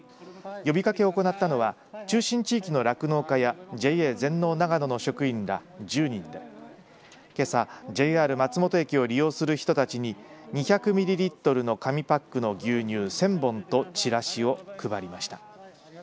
呼びかけを行ったのは中信地域の酪農家やＪＡ全農長野の職員ら１０人でけさ、ＪＲ松本駅を利用する人たちに２００ミリリットルの紙パックの牛乳１０００本とチラシを配りました。